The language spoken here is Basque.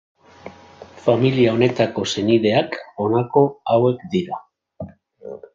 Familia honetako senideak honako hauek dira.